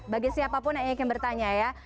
bagi siapapun yang ingin bertanya ya